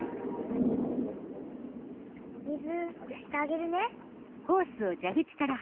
水足してあげるね。